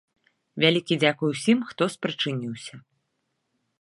Вялікі дзякуй усім, хто спрычыніўся!